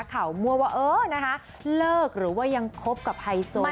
ข่าวมั่วว่าเออนะคะเลิกหรือว่ายังคบกับไฮโซ